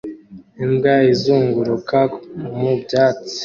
Imbwa izunguruka mu byatsi